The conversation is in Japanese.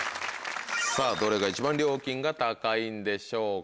さぁどれが一番料金が高いんでしょうか。